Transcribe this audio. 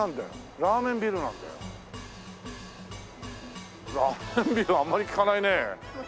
ラーメンビルあんまり聞かないね。